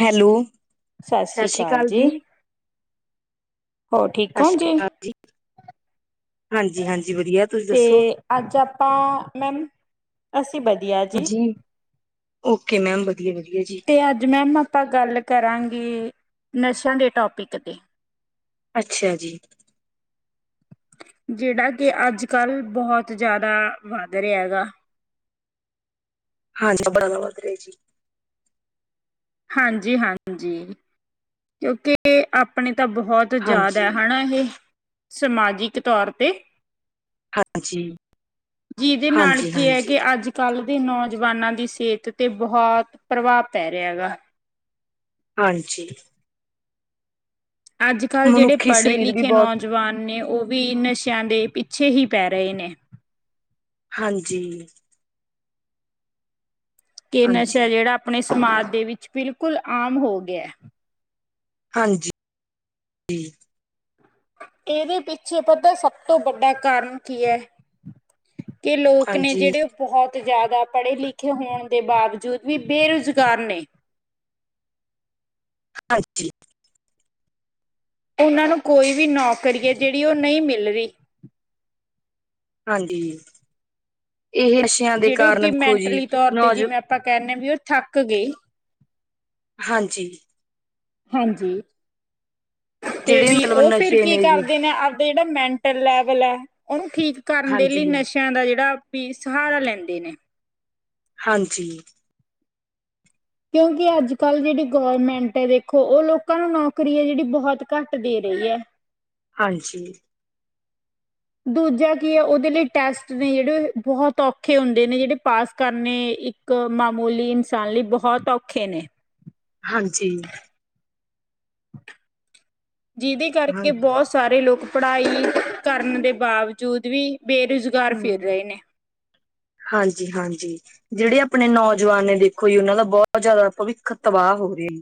Hello ਸਤਿ ਸ੍ਰੀ ਅਕਾਲ ਜੀ ਹੋਰ ਠੀਕ ਸਤਿ ਹੋ ਸ਼੍ਰੀ ਅਕਾਲ ਜੀ ਹਾਂਜੀ ਹਾਂਜੀ ਵਧੀਆ ਤੁਸੀਂ ਤੇ ਦੱਸੋ ਅੱਜ ਆਪਾਂ ਮੈਮ ਅਸੀਂ ਵਧੀਆ ਜੀ ਓਕੇ ਮੈਮ ਵਧੀਆ, ਵਧੀਆ ਜੀ। ਤੇ ਅੱਜ ਮੈਮ ਆਪਾਂ ਗੱਲ ਕਰਾਂਗੇ, ਨਸ਼ਿਆਂ ਦੇ ਟੋਪਿਕ ਤੇ ਅੱਛਾ ਜੀ। ਜਿਹੜਾ ਕਿ ਅੱਜ, ਕੱਲ੍ਹ ਬਹੁਤ ਜਿਆਦਾ ਵੱਧ ਰਿਹਾ ਹੈ ਗਾ। ਹਾਂਜੀ, ਬੜਾ ਵੱਧ ਰਿਹਾ ਜੀ। ਹਾਂਜੀ, ਹਾਂਜੀ ਕਿਉਂਕਿ ਆਪਣੀ ਤਾਂ ਬਹੁਤ ਤ ਜ਼ਿਆਦਾ ਹਾਂਜੀ, ਹੈ ਹਨਾ ਇਹ ਸਮਾਜਿਕ ਤੌਰ ਤੇ ਹਾਂਜੀ, ਜਿਹਦੇ ਨਾਲ ਕੀ ਹੈ ਹਾਂਜੀ-ਹਾਂਜੀ। ਕਿ ਹਾਂਜੀ, ਅੱਜ ਕੱਲ੍ਹ ਦੇ ਨੌਜਵਾਨਾਂ ਦੀ ਸਿਹਤ ਤੇ ਬਹੁਤ ਪ੍ਰਭਾਵ ਪੈ ਰਿਹਾ ਹੈਗਾ ਹਾਂਜੀ ਅੱਜ ਕੱਲ੍ਹ ਜਿਹੜੇ ਮਨੁੱਖੀ ਪੜ੍ਹੇ ਸਰੀਰ ਵੀ ਲਿਖੇ ਬਹੁਤ ਨੌਜਵਾਨ ਨੇ ਉਹ ਵੀ ਨਸ਼ਿਆਂ ਦੇ ਪਿੱਛੇ ਹੀ ਪੈ ਰਹੇ ਨੇ ਹਾਂਜੀ ਕਿ ਨਸ਼ਾ ਹਾਂਜੀ। ਜਿਹੜਾ ਆਪਣੇ ਸਮਾਜ ਦੇ ਵਿੱਚ ਬਿਲਕੁਲ ਆਮ ਹੋ ਗਿਆ। ਹਾਂਜੀ ਹਾਂਜੀ, ਇਦੇ ਪਿੱਛੇ ਪੱਤਾ ਏ ਸਭ ਤੋਂ ਵੱਡਾ ਕਾਰਨ ਕੀ ਐ? ਕਿ ਲੋਕ ਨੇ ਜਿੜੇ ਹਾਂਜੀ, ਓ ਬਹੁਤ ਜ਼ਿਆਦਾ ਪੜ੍ਹੇ ਲਿਖੇ ਹੋਣ ਦੇ ਬਾਵਜੂਦ ਵੀ ਬੇਰੁਜ਼ਗਾਰ ਨੇ। ਹਾਂਜੀ [unintelligible] ਇਨਾਂ ਨੂੰ ਕੋਈ ਵੀ ਨੌਕਰੀ ਏ ਜਿੜੀ ਓ ਨਈ ਮਿਲ ਰੀ। ਹਾਂਜੀ, ਇਹ ਅਸ਼ਿਆਂ ਦੇ ਜਿਹੜੇ ਉਹ ਕਾਰਨ ਕਿ ਦੇਖੋ ਜੀ ਮੈਂਟਲੀ ਤੌਰ ਤੇ ਨੌਜ ਜਿਵੇਂ ਆਪਾਂ ਕੈਨੇ ਵੀ ਓ ਥੱਕ ਗਈ। ਹਾਂਜੀ ਹਾਂਜੀ ਤੇ ਜਿਹੜੇ ਬੀ ਮਤਲਬ ਓ ਫਿਰ ਨਸ਼ੇ ਕੀ ਜੀ ਕਰਦੇ ਨੇ ਅਬ ਜਿੜਾ ਮੈਂਟਲ ਲੈਵਲ ਐ ਓ ਠੀਕ ਕਰਨ ਦੇ ਹਾਂਜੀ, ਲਈ ਨਸ਼ ਸ਼ਿਆਂ ਦਾ ਜਿੜਾ ਵੀ ਸਹਾਰਾ ਲੈਂਦੇ ਨੇ। ਹਾਂਜੀ ਕਿਉਂਕਿ ਅੱਜ ਕਲ੍ਹ ਜਿੜੀ ਗੋਰਮੈਂਟ ਐ ਵੇਖੋ ਓ ਲੋਕਾਂ ਨੂੰ ਨੌਕਰੀਆ ਜਿੜੀ ਬਹੁਤ ਘੱਟ ਦੇ ਰਈ ਐ। ਹਾਂਜੀ ਦੂਜਾ ਕੀ ਐ ਓਦੇ ਲਈ ਟੈਸਟ ਨੇ ਜਿੜੇ ਬਹੁਤ ਔਖੇ ਹੁੰਦੇ ਨੇ ਜਿੜੇ ਪਾਸ ਕਰਨੇ ਇੱਕ ਕ ਮਾਮੂਲੀ ਇਨਸਾਨ ਲਈ ਬਹੁਤ ਔਖੇ ਨੇ। ਹਾਂਜੀ ਜਿਦੇ ਹਾਂ ਕਰਕੇ ਬਉਤ ਸਾਰੇ ਲੋਕ ਪੜ੍ਹਾਈ ਕਰਨ ਦੇ ਬਾਵਜੂਦ ਵੀ ਬੇਰੁਜ਼ ਹੁੰ ਹਾਂਜੀ, ਹਾਂਜੀ ਜਿੜੇ ਆਪਣੇ ਨੌਜਵਾਨ ਨੇ ਵੇਖੋ ਜੀ ਓਨਾਂ ਦਾ ਬੌਤ ਜਿਆਦਾ ਭਵਿੱਖ ਤਵਾਹ ਹੋ ਰਿਆ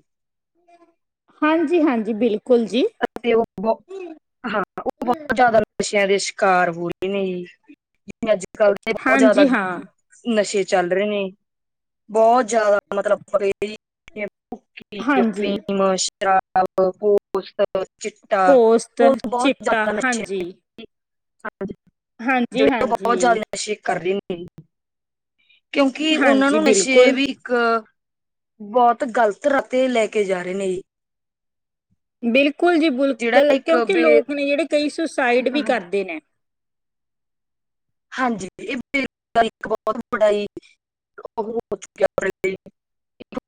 ਹਾਂਜੀ, ਹਾਂਜੀ ਬਿਲਕੁਲ ਜੀ। ਅਤੇ ਓ ਬੌਤ ਹਾਂ ਓ ਬੌਤ ਜਿਆਦਾ ਨਸ਼ਿਆਂ ਦੇ ਸ਼ਿਕਾਰ ਹੋ ਰਏ ਨੇ ਜੀ। ਜਿਵੇਂ ਅੱਜ ਕੱਲ੍ਹ ਦੇ ਬੌਤ ਜ਼ਿਆਦਾ ਹਾਂਜੀ ਹਾਂ ਨਸ਼ੇ ਚੱਲ ਰੇ ਨੇ ਬੌਤ ਜਿਆਦਾ ਮਤਲਬ ਪੁੀ ਹਾਂਜੀ ਫੀਮ ਸਵ ਪੋ [unintelligible] ਚਿੱਟਾ ਪੋਸਤ ਹੋਰ ਬਹੁਤ ਚਿੱਟਾ ਜਿਆਦਾ ਨਸ਼ੇ ਹਾਂਜੀ [unintelligible] ਹਾਂਜੀ ਜਿੜੇ ਓ ਬੌਤ ਹਾਂਜੀ ਜ਼ਿਆਦਾ ਨਸ਼ੇ ਕਰ ਲੈਂਦੇ ਕਿਉਂਕਿ ਉਨਾਂ ਹਾਂਜੀ ਨੂੰ ਨਸ਼ੇ ਬਿਲਕੁਲ ਵੀ ਇੱਕ ਬੌਤ ਗ਼ਲਤ ਰਤੇ ਲੈ ਕੇ ਜਾ ਰੇ ਨੇ। ਬਿਲਕੁਲ ਜੀ, ਬਿਲਕੁਲ ਜਿਹੜਾ ਇੱਕ ਕਿਉਂਕਿ ਬੇ ਲੋਕ ਨੇ ਜਿੜੇ ਕਈ ਸੁਸਾਈਡ ਵੀ ਕਰਦੇ ਨੇ। ਹਾਂਜੀ ਇਹ ਗ ਇੱਕ ਬਹੁਤ ਬੜਾ ਉਹ ਹੋ ਚੁੱਕਿਆ ਬ [unintelligible]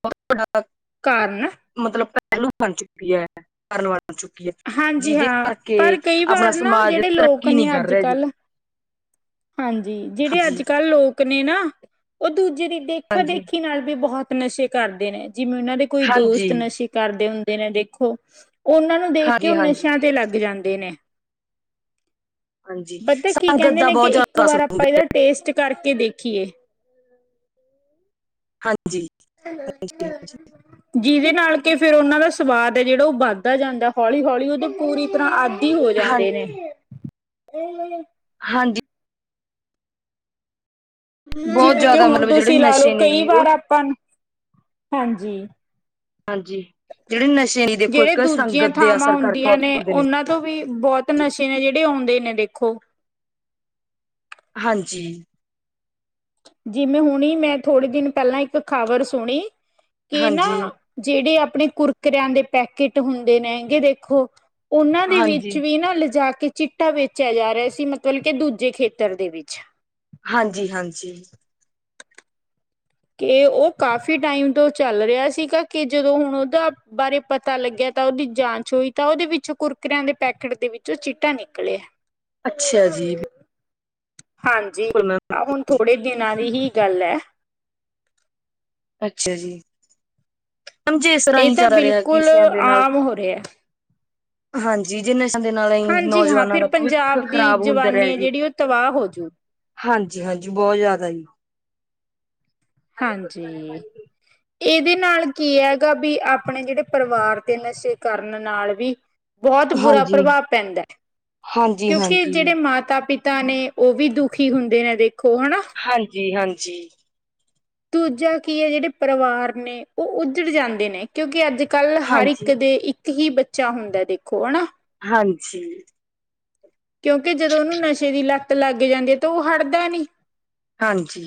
ਬਹੁ ਡਾ [unintelligible] ਕਾਰਨ ਮਤਲਬ ਪਹਿਲੂ ਬਣ ਚੁੱਕੀ ਐ ਕਾਰਨ ਬਣ ਚੁੱਕੀ ਐ ਹਾਂਜੀ ਜਿਦੇ ਹਾਂ ਪਰ ਕਰਕੇ ਕਈ ਆਪਣਾ ਵਾਰ ਨਾ ਸਮਾਜ ਜਿਹੜੇ ਲੋਕ ਤਰੱਕੀ ਨੇ ਨੀ ਕਰ ਅੱਜ ਰਿਆ ਜੀ। ਕੱਲ ਹਾਂਜੀ ਜਿੜੇ ਹਾਂਜੀ ਅੱਜ ਕੱਲ ਲੋਕ ਨੇ ਨਾ ਓ ਦੂਜੇ ਦੀ ਦੇਖਾ ਹਾਂਜੀ ਦੇਖੀ ਨਾਲ ਵੀ ਬਹੁਤ ਨਸ਼ੇ ਕਰਦੇ ਨੇ ਜਿਵੇਂ ਉਨਾਂ ਦੇ ਕੋਈ ਦੋਸਤ ਹਾਂਜੀ ਨਸ਼ੇ ਕਰਦੇ ਹੁੰਦੇ ਨੇ ਦੇਖੋ ਉਨਾਂ ਨੂੰ ਦੇਖ ਹਾਂਜੀ ਕੇ ਹਾਂਜੀ ਨਸ਼ਿਆਂ ਤੇ ਲੱਗ ਜਾਂਦੇ ਨੇ ਹਾਂਜੀ ਪਤੈ ਕੀ ਸੰਗਤ ਕੈਂਦੇ ਦਾ ਨੇ ਕਿ ਬਹੁਤ ਇੱਕ ਜ਼ਿਆਦਾ ਅਸਰ ਵਾਰ ਹੁੰਦਾ ਆਪਾਂ ਇਦਾ ਟੇਸਟ ਕਰਕੇ ਦੇਖੀਏ ਹਾਂਜੀ [inaudible] ਹੈਲੋ ਹਾਂਜੀ ਹਾਂਜੀ ਹੈਲੋ ਜਿਦੇ ਨਾਲ ਕੇ ਫੇਰ ਉਨਾਂ ਦਾ ਸਵਾਦ ਐ ਜਿੜਾ ਓ ਵੱਧਦਾ ਜਾਂਦਾ ਹੌਲੀ, ਹੌਲੀ ਓ ਤੇ ਪੂਰੀ ਤਰ੍ਹਾਂ ਅੱ ਆਦੀ ਹੋ ਹਾਂ ਜਾਂਦੇ ਨੇ। ਹਾਂਜੀ ਬਹੁਤ ਜਿਵੇਂ ਕਿ ਜ਼ਿਆਦਾ ਹੁਣ ਮਤਲਬ ਜਿਹੜੇ ਤੁਸੀਂ ਲਾ ਲੋ ਨਸ਼ੇ ਨੇ ਕਈ ਜੀ ਉਹ ਵਾਰ ਆਪਾਂ ਨੂੰ ਹਾਂਜੀ। ਹਾਂਜੀ ਜਿਹੜੇ ਨਸ਼ੇ ਨੇ ਦੇਖੋ ਜਿਹੜੇ ਇੱਕ ਦੂਜੀਆਂ ਸੰਗਤ ਦੇ ਥਾਵਾਂ ਅਸਰ ਕਰਕੇ ਹੁੰਦੀਆਂ ਨੇ ਹੁੰਦੇ ਉਹਨਾਂ ਤੋਂ ਵੀ ਬਹੁਤ ਨਸ਼ੇ ਨੇ, ਜਿਹੜੇ ਆਉਂਦੇ ਨੇ ਦੇਖੋ। ਹਾਂਜੀ। ਜਿਵੇਂ ਹੁਣੀ ਮੈਂ ਥੋੜ੍ਹੇ ਦਿਨ ਪਹਿਲਾਂ, ਇੱਕ ਖਬਰ ਸੁਣੀ ਕਿ ਨਾ ਹਾਂਜੀ ਜਿਹੜੇ ਆਪਣੇ ਕੁਰਕਰਿਆਂ ਦੇ ਪੈਕੇਟ ਹੁੰਦੇ ਨੇਗੇ ਦੇਖੋ ਉਹਨਾਂ ਦੇ ਹਾਂਜੀ ਵਿੱਚ ਵੀ ਨਾ ਲਿਜਾ ਕੇ ਚਿੱਟਾ ਵੇਚਿਆ ਜਾ ਰਿਹਾ ਸੀ, ਮਤਲਬ ਕਿ ਦੂਜੇ ਖੇਤਰ ਦੇ ਵਿੱਚ। ਹਾਂਜੀ-ਹਾਂਜੀ। ਕਿ ਉਹ ਕਾਫ਼ੀ ਟਾਈਮ ਤੋਂ ਚੱਲ ਰਿਹਾ ਸੀਗਾ, ਕਿ ਜਦੋਂ ਹੁਣ ਉਹਦਾ ਬਾਰੇ ਪਤਾ ਲੱਗਿਆ, ਤਾਂ ਉਹਦੀ ਜਾਂਚ ਹੋਈ ਤਾਂ ਉਹਦੇ ਵਿੱਚੋਂ ਕੁਰਕਰਿਆਂ ਦੇ ਪੈਕਟ ਦੇ ਵਿੱਚ ਉਹ ਚਿੱਟਾ ਨਿਕਲਿਆ। [inaudible] ਅੱਛਾ ਜੀ। ਹਾਂਜੀ, ਬਿਲਕੁਲ ਮੈਮ ਆ ਹੁਣ ਥੋੜੇ ਦਿਨਾਂ ਦੀ ਹੀ ਗੱਲ ਐ। ਅੱਛਾ ਜੀ। ਮੈਮ ਜੇ ਇਸ ਤਰ੍ਹਾਂ ਇਹ ਹੀ ਤਾਂ ਚੱਲ ਰਿਹਾ ਕਿ ਬਿਲਕੁਲ ਨਸ਼ਿਆਂ ਦੇ ਨਾਲ ਆਮ ਹੋ ਰਿਹਾ। ਹਾਂਜੀ, ਜੇ ਨਸ਼ਿਆਂ ਦੇ ਨਾਲ ਹੀ ਹਾਂਜੀ ਹਾਂ ਨੌਜਵਾਨਾਂ ਫਿਰ ਦਾ ਭਵਿੱਖ ਪੰਜਾਬ ਦੀ ਖ਼ਰਾਬ ਹੁੰਦਾ ਜਵਾਨੀ ਰਿਹਾ ਹੈ ਜੀ। ਜਿਹੜੀ ਉਹ ਤਬਾਹ ਹੋਜੂ ਹਾਂਜੀ, ਹਾਂਜੀ ਬਹੁਤ ਜ਼ਿਆਦਾ ਜੀ। ਹਾਂਜੀ। ਇਹਦੇ ਨਾਲ ਕੀ ਹੈਗਾ ਵੀ, ਆਪਣੇ ਜਿਹੜੇ ਪਰਿਵਾਰ ਤੇ ਨਸ਼ੇ ਕਰਨ ਨਾਲ ਵੀ ਬਹੁਤ ਹਾਂਜੀ ਬੁਰਾ ਹਾਂਜੀ ਪ੍ਰਭਾਵ ਪੈਂਦਾ, ਹਾਂਜੀ ਕਿਉਂਕਿ ਜਿਹੜੇ ਮਾਤਾ- ਪਿਤ ਤਾ ਨੇ ਉਹ ਵੀ ਦੁਖੀ ਹੁੰਦੇ ਨੇ ਦੇਖੋ ਹਨਾ। ਹਾਂਜੀ-ਹਾਂਜੀ। ਦੂਜਾ ਕੀ ਐ, ਜਿਹੜੇ ਪਰਿਵਾਰ ਨੇ ਉਹ ਉੱਜੜ ਜਾਂਦੇ ਨੇ। ਕਿਉਂਕਿ ਅੱਜ ਕੱਲ੍ਹ ਹਰ ਇੱਕ ਹਾਂਜੀ ਹਾਂਜੀ ਦੇ ਇੱਕ ਹੀ ਬੱਚਾ ਹੁੰਦਾ ਦੇਖੋ ਹਨਾ। ਹਾਂਜੀ। ਕਿਉਂਕਿ ਜਦੋਂ ਉਹਨੂੰ ਨਸ਼ੇ ਦੀ ਲੱਤ ਲੱਗ ਜਾਂਦੀ ਐ, ਤਾਂ ਉਹ ਹਟਦਾ ਨੀ। ਹਾਂਜੀ।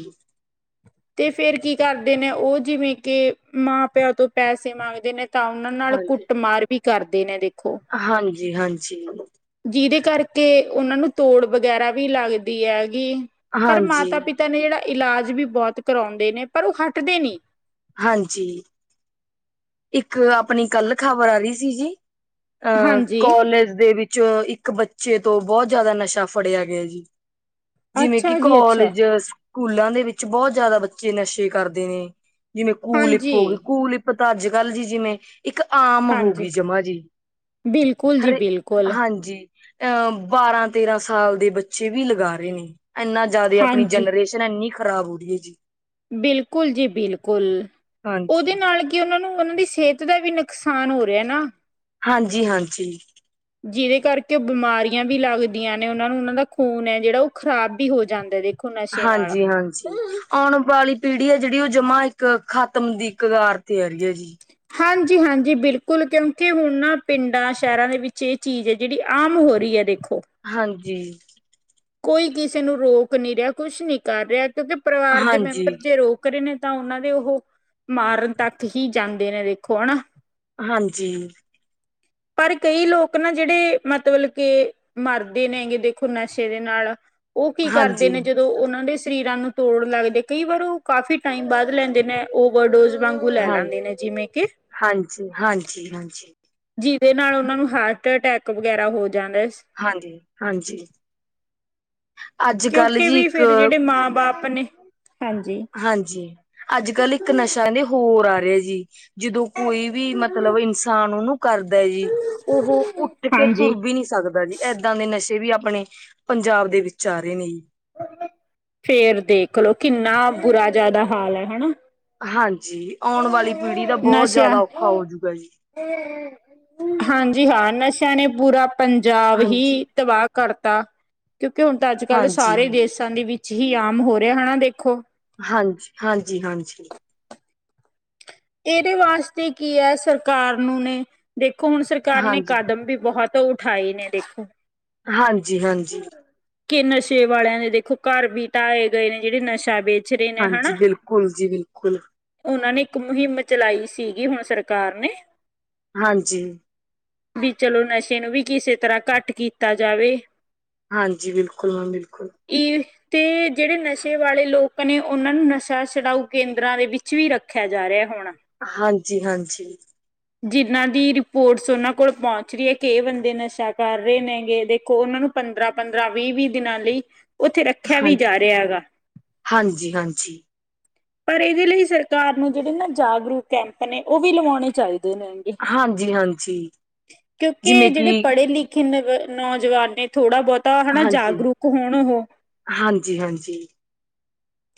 ਤੇ ਫੇਰ ਕੀ ਕਰਦੇ ਨੇ ਉਹ ਜਿਵੇਂ ਕਿ ਮਾਂ ਪਿਓ ਤੋਂ ਪੈਸੇ ਮੰਗਦੇ ਨੇ ਤਾਂ ਉਹਨਾਂ ਨਾਲ ਕੁੱਟਮਾਰ ਵੀ ਕਰਦੇ ਨੇ ਦੇਖੋ। ਹਾਂਜੀ, ਹਾਂਜੀ। ਜਿਹਦੇ ਕਰਕੇ ਉਹਨਾਂ ਨੂੰ ਤੋੜ ਵਗੈਰਾ ਵੀ ਲੱਗਦੀ ਹੈਗੀ। ਪਰ ਹਾਂਜੀ, ਮਾਤਾ-ਪਿਤਾ ਨੇ ਜਿਹੜਾ ਇਲਾਜ ਵੀ ਬਹੁਤ ਕਰਾਉਂਦੇ ਨੇ ਪਰ ਉਹ ਹੱਟਦੇ ਨਹੀਂ। ਹਾਂਜੀ। ਇੱਕ ਆਪਣੀ ਕੱਲ ਖ਼ਬਰ ਆ ਰਹੀ ਸੀ ਜੀ ਅਹ ਹਾਂਜੀ ਕੋਲਜ ਦੇ ਵਿੱਚ 'ਚ ਇੱਕ ਬੱਚੇ ਤੋਂ ਬਹੁਤ ਜਿਆਦਾ ਨਸ਼ਾ ਫੜਿਆ ਗਿਆ ਜੀ। ਜਿਵੇਂ ਕਿ ਅੱਛਾ ਜੀ ਅੱਛਾ ਕੋਾਲਜਸ ਸਕੂਲਾਂ ਦੇ ਵਿੱਚ ਬਹੁਤ ਜਿਆਦਾ, ਬੱਚੇ ਨਸ਼ੇ ਕਰਦੇ ਨੇ ਜਿਵੇਂ ਕੂਲ ਇਪ ਹੋ ਗਏ ਹਾਂਜੀ। ਕੂਲਪ ਅੱਜ ਕੱਲ ਜੀ ਜਿਵੇਂ ਇੱਕ ਆਮ ਹੋ ਹਾਂਜੀ ਗਈ ਜਮਾ ਜੀ, ਬਿਲਕੁਲ ਜੀ ਹਰੇ ਬਿਲਕੁਲ ਹਾਂਜੀ। ਅਹ ਬਾਰਾਂ ਤੇਰਾਂ ਸਾਲ ਦੇ ਬੱਚੇ ਵੀ ਲਗਾ ਰਹੇ ਨੇ, ਇੰਨਾ ਜ਼ਿਆਦਾ ਆਪਣੀ ਹਾਂਜੀ। ਜਨਰੇਸ਼ਨ ਇੰਨੀ ਖਰਾਬ ਹੋਰੀ ਆ ਜੀ। ਬਿਲਕੁਲ ਜੀ, ਬਿਲਕੁਲ ਉਹਦੇ ਹਾਂਜੀ, ਨਾਲ ਕਿ ਉਹਨਾਂ ਨੂੰ ਉਹਨਾਂ ਦੀ ਸਿਹਤ ਦਾ ਵੀ ਨੁਕਸਾਨ ਹੋ ਰਿਹਾ ਨਾ। ਹਾਂਜੀ, ਹਾਂਜੀ। ਜਿਹਦੇ ਕਰਕੇ ਉਹ ਬਿਮਾਰੀਆਂ ਵੀ ਲੱਗਦੀਆਂ ਨੇ, ਉਹਨਾਂ ਨੂੰ ਉਹਨਾਂ ਦਾ ਖ਼ੂਨ ਹੈ ਜਿਹੜਾ ਉਹ ਖਰਾਬ ਵੀ ਹੋ ਜਾਂਦਾ ਜੇ। ਹਾਂਜੀ-ਹਾਂਜੀ, ਆਉਣ ਵਾਲੀ। ਪੀੜ੍ਹੀ ਆ ਜਿਹੜੀ, ਉਹ ਜਮਾ ਇੱਕ, ਖ਼ਤਮ ਦੀ ਕਗਾਰ ਤੇ ਆ ਰਹੀ ਹੈ ਜੀ। ਹਾਂਜੀ-ਹਾਂਜੀ, ਬਿਲਕੁਲ, ਕਿਉਂਕਿ ਹੁਣ ਨਾ ਪਿੰਡਾਂ ਸ਼ਹਿਰਾਂ ਦੇ ਵਿੱਚ, ਇਹ ਚੀਜ਼ ਹੈ। ਜਿਹੜੀ ਆਮ ਹੋ ਰਹੀ ਹੈ ਦੇਖੋ। ਹਾਂਜੀ। ਕੋਈ ਕਿਸੇ ਨੂੰ ਰੋਕ ਨਹੀਂ ਰਿਹਾ, ਕੁੱਛ ਨਹੀਂ ਕਰ ਰਿਹਾ, ਕਿਉਂਕਿ ਪਰਿਵਾਰ ਦੇ ਮੈਂਬਰ ਹਾਂਜੀ, ਜੇ ਰੋਕ ਰਹੇ ਨੇ ਤਾਂ, ਉਹਨਾਂ ਦੇ ਉਹ ਮਾਰਨ ਤੱਕ ਹੀ ਜਾਂਦੇ ਨੇ ਦੇਖੋ ਹਨਾ। ਹਾਂਜੀ। ਪਰ ਕਈ ਲੋਕ ਨਾ ਜਿਹੜੇ, ਮਤਲਬ ਕੇ ਮਰਦੇ ਨੇ ਹੈਗੇ ਦੇਖੋ ਨਸ਼ੇ ਇਹਦੇ ਨਾਲ, ਉਹ ਕੀ ਕਰਦੇ ਨੇ, ਹਾਂਜੀ, ਜਦੋਂ ਉਹਨਾਂ ਦੇ ਸਰੀਰਾਂ ਨੂੰ ਤੋੜ ਲੱਗਦੀ, ਕਈ ਵਾਰ ਉਹ ਕਾਫ਼ੀ ਟਾਈਮ ਵੱਧ ਲੈਂਦੇ ਨੇ, ਓਵਰਡੋਜ਼ ਵਾਂਗ। ਲੈ ਲੈਂਦੇ ਨੇ ਜਿਵੇਂ ਕਿ ਹਾਂਜੀ-ਹਾਂਜੀ, ਹਾਂਜੀ। ਜਿਹਦੇ ਨਾਲ ਉਹਨਾਂ ਨੂੰ, ਹਾਰਟ ਅਟੈਕ ਵਗੈਰਾ ਹੋ ਜਾਂਦਾ। ਹਾਂਜੀ-ਹਾਂਜੀ। ਕਿਉਂਕਿ ਜੀ ਵੀ ਇੱਕ ਫਿਰ ਜਿਹੜੇ ਮਾਂ-ਬਾਪ ਨੇ ਹਾਂਜੀ ਹਾਂਜੀ, ਅੱਜ ਕੱਲ ਇੱਕ ਨਸ਼ਾ ਕਹਿੰਦੇ, ਹੋਰ ਆ ਰਿਹਾ ਜੀ ਜਦੋਂ ਕੋਈ ਵੀ ਮਤਲੱਬ ਇਨਸਾਨ ਉਹਨੂੰ ਕਰਦਾ ਜੀ। ਉਹ ਉੱਠ ਕੇ ਹਾਂਜੀ। ਤੁਰ ਵੀ ਨਹੀਂ ਸਕਦਾ ਜੀ। ਇਦਾਂ ਦੇ ਨਸ਼ੇ ਵੀ ਆਪਣੇ, ਪੰਜਾਬ ਦੇ ਵਿਚ ਆ ਰਹੇ ਨੇ ਫਿਰ ਦੇਖਲੋ, ਕਿੰਨਾ ਬੁਰਾ ਜ਼ਿਆਦਾ ਹਾਲ ਹੈ ਹਨਾ। ਹਾਂਜੀ, ਆਉਣ ਵਾਲੀ ਪੀੜ੍ਹੀ ਦਾ ਬਹੁਤ ਨਸ਼ਿਆਂ ਜ਼ਿਆਦਾ ਔਖਾ ਹੋਜੂਗਾ ਜੀ। ਹਾਂਜੀ ਹਾਂ, ਨਸ਼ਿਆਂ ਨੇ ਪੂਰਾ ਪੰਜਾਬ ਹੀ ਹਾਂਜੀ ਤਬਾਹ ਕਰਤਾ, ਕਿਉਂਕਿ ਹੁਣ ਤਾਂ ਅੱਜ ਕੱਲ ਸਾਰੇ ਹਾਂਜੀ ਦੇਸਾਂ ਦੇ ਵਿੱਚ ਹੀ ਆਮ ਹੋ ਰਿਹਾ ਹੈ ਹਣਾ ਦੇਖੋ। ਹਾਂਜੀ-ਹਾਂਜੀ, ਹਾਂਜੀ। ਇਹਦੇ ਵਾਸਤੇ ਕੀ ਹੈ, ਸਰਕਾਰ ਨੂੰ ਨੇ ਦੇਖੋ, ਹੁਣ ਸਰਕਾਰ ਨੇ ਹਾਂਜੀ ਕਦਮ ਵੀ ਬਹੁਤ ਤਾਂ ਉਠਾਏ ਨੇ ਦੇਖੋ। ਹਾਂਜੀ-ਹਾਂਜੀ। ਕਿ ਨਸ਼ੇ ਵਾਲਿਆਂ ਦੇ ਦੇਖੋ, ਘਰ ਬੀ ਢਾਏ ਗਏ ਨੇ ਜਿਹੜੇ ਨਸ਼ਾ ਵੇਚ ਰਹੇ ਨੇ ਹਾਂਜੀ, ਹਨਾ। ਬਿਲਕੁੱਲ ਜੀ ਬਿਲਕੁੱਲ। ਉਹਨਾਂ ਨੇ ਇੱਕ ਮੁਹਿੰਮ ਚਲਾਈ ਸੀਗੀ, ਹੁਣ ਸਰਕਾਰ ਨੇ। ਹਾਂਜੀ। ਵੀ ਚਲੋ, ਨਸ਼ੇ ਨੂੰ ਵੀ ਕਿਸੇ ਤਰ੍ਹਾਂ ਘੱਟ ਕੀਤਾ ਜਾਵੇ। ਹਾਂਜੀ, ਬਿਲਕੁੱਲ ਹਾਂ, ਬਿਲਕੁੱਲ। [unintelligible] ਤੇ ਜਿਹੜੇ ਨਸ਼ੇ ਵਾਲੇ ਲੋਕ ਨੇ, ਉਹਨਾਂ ਨੂੰ ਨਸ਼ਾ ਛੁਡਾਊ ਕੇਂਦਰਾਂ ਦੇ ਵਿੱਚ ਵੀ ਰੱਖਿਆ ਜਾ ਰਿਹਾ ਹੁਣ। ਹਾਂਜੀ-ਹਾਂਜੀ। ਜਿਨਾਂ ਦੀ ਰਿਪੋਰਟਸ ਉਹਨਾਂ ਕੋਲ ਪਹੁੰਚ ਰਹੀ ਹੈ, ਕਿ ਐ ਬੰਦੇ ਨਸ਼ਾ ਕਰ ਰਹੇ ਨੇਗੇ ਦੇਖੋ ਉਹਨਾਂ ਨੂੰ ਪੰਦਰਾਂ-ਪੰਦਰਾਂ, ਵੀਹ-ਵੀਹ ਦਿਨਾਂ ਲਈ, ਉੱਥੇ ਰੱਖਿਆ ਵੀ ਜਾ ਰਿਹਾ ਹੈਗਾ। ਹਾਂਜੀ-ਹਾਂਜੀ। ਪਰ ਇਹਦੇ ਲਈ ਸਰਕਾਰ ਨੂੰ, ਜਿਹੜੇ ਨਾ ਜਾਗਰੂਕ ਕੈਂਪ ਨੇ, ਉਹ ਵੀ ਲਵਾਉਣੇ ਚਾਹੀਦੇ ਨੇ, ਹਾਂਜੀ ਹਾਂਜੀ ਕਿਉਂਕਿ ਜਿਵੇਂ ਕਿ ਜਿਹੜੇ ਪੜ੍ਹੇ ਲਿਖੇ ਕਿੰਨੇ ਨੌਜਵਾਨ ਨੇ, ਥੋੜ੍ਹਾ ਬਹੁਤਾ ਹਨਾ ਜਾਗਰੂਕ ਹੋਣਾ ਹਉ। ਹਾਂਜੀ-ਹਾਂਜੀ,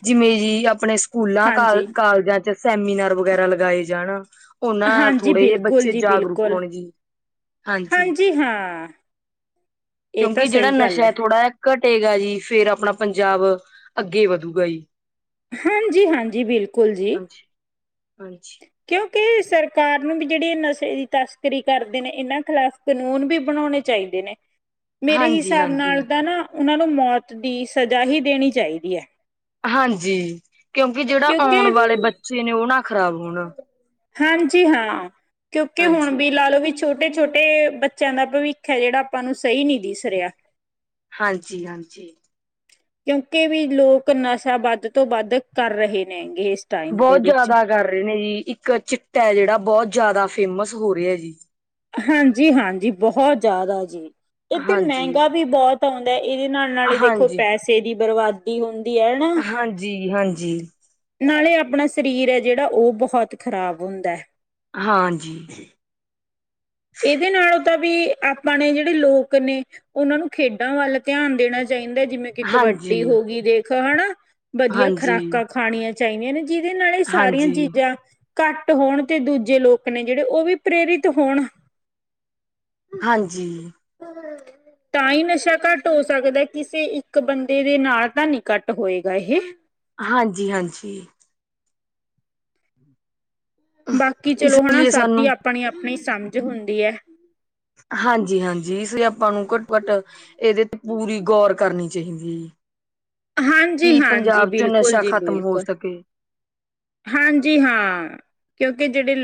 ਜਿਵੇਂ ਜੀ ਆਪਣੇ ਸਕੂਲਾਂ ਹਾਂਜੀ ਕਾਲਜਾਂ ਚੱ ਸੈਮੀਨਾਰ ਵਗੈਰਾ ਲਗਾਏ ਜਾਣ। ਹੁਨ ਐ ਹਾਂਜੀ ਥੋੜੇ ਕੀ ਬਿਲਕੁਲ ਬੱਚੇ ਜੀ ਜਾਗਰੂਕ ਹੋਣ ਜੀ ਹਾਂਜੀ ਜੀ ਹਾਂ [unintelligible] ਇਹ ਤਾਂ ਕਿਉਂਕਿ ਜਿਹੜਾ ਸਹੀ ਗੱਲ ਨਸ਼ਾ ਹੈ ਥੋੜ੍ਹਾ ਜਿਹਾ ਘਟੇਗਾ ਜੀ ਫਿਰ ਆਪਣਾ ਪੰਜਾਬ ਅੱਗੇ ਵਧੂਗਾ ਜੀ ਹਾਂਜੀ ਹਾਂਜੀ ਬਿਲਕੁਲ ਜੀ ਹਾਂਜੀ, ਹਾਂਜੀ। ਕਿਉਂਕਿ ਸਰਕਾਰ ਨੂੰ ਵੀ ਜਿਹੜੀ ਨਸ਼ੇ ਦੀ ਤਸਕਰੀ ਕਰਦੇ ਨੇ ਇਹਨਾਂ ਖਿਲਾਫ਼ ਕਾਨੂੰਨ ਵੀ ਬਣਾਉਣੇ ਚਾਹੀਦੇ ਨੇ [unintelligible] ਮੇਰੇ ਹਿਸਾਬ ਹਾਂਜੀ, ਨਾਲ ਤਾਂ ਨਾ ਉਹਨਾਂ ਨੂੰ ਮੌਤ ਦੀ ਸਜ਼ਾ ਹੀ ਦੇਣੀ ਚਾਹੀਦੀ ਹੈ ਹਾਂਜੀ ਕਿਉਂਕਿ ਜਿਹੜਾ ਕਿਉਂਕਿ ਆਉਣ ਵਾਲੇ ਬੱਚੇ ਨੇ ਉਹ ਨਾ ਖ਼ਰਾਬ ਹੋਣ ਹਾਂਜੀ ਹਾਂ ਕਿਉਂਕਿ ਹੁਣ ਹਾਂਜੀ। ਵੀ ਲਾ ਲਓ ਵੀ ਛੋਟੀ ਛੋਟੇ ਛੋਟੇ ਬੱਚਿਆਂ ਦਾ ਭਵਿੱਖ ਹੈ ਜਿਹੜਾ ਆਪਾਂ ਨੂੰ ਸਹੀ ਨੀ ਦਿਸ ਰਿਹਾ ਹਾਂਜੀ ਹਾਂਜੀ [unintelligible] ਕਿਉਂਕਿ ਵੀ ਲੋਕ ਨਸ਼ਾ ਵੱਧ ਤੋਂ ਵੱਧ ਕਰ ਰਹੇ ਨੇਗੇ ਟਾਈਮ ਦੇ ਬੋਤ ਵਿੱਚ ਜਿਆਦਾ ਕਰ ਰਹੇ ਨੇ ਜੀ ਇੱਕ ਚਿੱਟਾ ਜਿਹੜਾ ਬੋਤ ਜਿਆਦਾ ਫੇਮਸ ਹੋ ਰਿਹਾ ਜੀ ਹਾਂਜੀ ਹਾਂਜੀ ਬੋਤ ਜ਼ਿਆਦਾ ਜੀ ਇਹ ਤੇ ਹਾਂਜੀ, ਮਹਿੰਗਾ ਵੀ ਬੋਤ ਆਉਂਦਾ ਇਹਦੇ ਨਾਲ ਨਾਲ ਹੀ ਦੇਖੋ ਹਾਂਜੀ, ਪੈਸੇ ਦੀ ਬਰਬਾਦ ਕੀ ਹੁੰਦੀ ਹੈ ਨਾ ਹਾਂਜੀ, ਹਾਂਜੀ। [unintelligible] ਨਾਲੇ ਆਪਣਾ ਸਰੀਰ ਹੈ ਜਿਹੜਾ ਉਹ ਬੋਤ ਖ਼ਰਾਬ ਹੁੰਦਾ ਹੈ ਹਾਂਜੀ [unintelligible] ਇਹਦੇ ਨਾਲੋਂ ਤਾਂ ਵੀ ਆਪਾਂਣੇ ਜਿਹੜੇ ਲੋਕ ਨੇ ਉਹਨਾਂ ਨੂੰ ਖੇਡਾਂ ਵੱਲ ਧਿਆਨ ਦੇਣਾ ਚਾਹੀਦਾ ਜਿਵੇਂ ਕਿ ਹਾਂਜੀ, ਹਾਂਜੀ, ਕਬੱਡੀ ਹੋ ਗਈ ਦੇਖ ਹਨਾ ਵਧੀਆ ਹਾਂਜੀ। ਖੁਰਾਕਾਂ ਖਾਣੀਆਂ ਚਾਹੀਦੀਆਂ ਨੇ ਜਿਹਦੇ ਨਾਲ ਇਹ ਸਾਰੀਆਂ ਚੀਜ਼ਾਂ [unintelligible] ਘੱਟ ਹੋਣ ਤੇ ਦੂਜੇ ਲੋਕ ਨੇ ਜਿਹੜੇ ਉਹ ਵੀ ਪ੍ਰੇਰਿਤ ਹੋਣ ਹਾਂਜੀ [unintelligible] ਹਮ [unintelligible] ਤਾਂ ਹੀ ਨਸ਼ਾ ਘੱਟ ਹੋ ਸਕਦਾ ਕਿਸੇ ਇੱਕ ਬੰਦੇ ਦੇ ਨਾਲ ਤਾਂ ਨੀ ਘੱਟ ਹੋਏਗਾ ਇਹ ਹਾਂਜੀ ਹਾਂਜੀ [unintelligible] ਬਾਕੀ ਇਸ ਚਲੋ ਹਨਾ ਲਈ ਸਭ ਸਾਨੂੰ ਦੀ ਆਪਣੀ ਆਪਣੀ ਸਮਝ ਹੁੰਦੀ ਹੈ ਹਾਂਜੀ ਹਾਂਜੀ ਇਸ ਆਪਾਂ ਨੂੰ ਘੱਟੋ ਘੱਟ ਇਹਦੇ ਤੇ ਪੂਰੀ ਗੌਰ ਕਰਨੀ ਚਾਹੀਦੀ ਜ ਹਾਂਜੀ ਹਾਂਜੀੀ ਬਿਲਕੁਲ ਨਸ਼ਾ ਜੀ ਖ਼ਤਮ ਹੋ ਬਿਲਕੁਲ ਸਕੇ ਹਾਂਜੀ ਹਾਂ [unintelligible] ਕਿਉਂਕਿ ਜਿਹੜੇ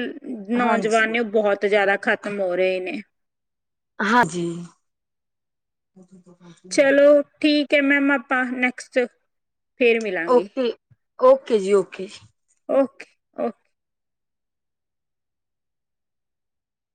ਨੌਜਵਾਨ ਨੇ ਉਹ ਹਾਂਜੀ-ਹਾਂਜੀ। ਬੋਤ ਜ਼ਿਆਦਾ ਖ਼ਤਮ ਹੋ ਰਹੇ ਨੇ ਹਾਂਜੀ [unintelligible] [unintelligible] ਚਲੋ ਠੀਕ ਹੈ ਮੈਮ ਆਪਾਂ ਨੈਕਸਟ ਫੇਰ ਮਿਲਾਂਗੇ ਓਕੇ ਓਕੇ ਜੀ ਓਕੇ ਜੀ ਓ [unintelligible]